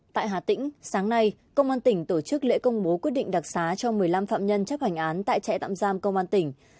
tại hà tĩnh sáng nay công an tỉnh tổ chức lễ công bố quyết định đặc xá cho một mươi năm phạm nhân chấp hành án tại trại tạm giam công an tỉnh